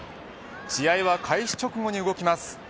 試合は開始直後に動きます。